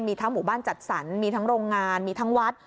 มีทั้งหมู่บ้านจัดสรรมีทั้งโรงงานมีทั้งวัด